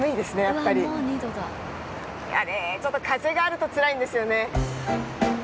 やっぱりちょっと風があるとつらいんですよね